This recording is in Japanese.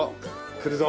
来るぞ！